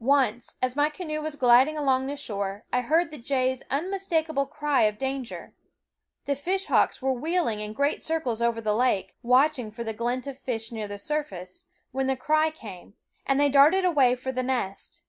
Once, as my canoe was gliding along the shore, I heard the jays' unmistakable cry of danger. The fishhawks were wheeling in great circles over the lake, watching for the glint of fish near the surface, when the cry came, and they darted away for the nest.